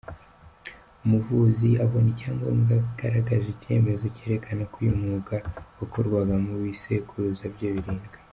Umuvuzi abona icyangombwa agaragaje icyemezo cyerekana ko uyu mwuga wakorwaga mu bisekuruza bye birindwi.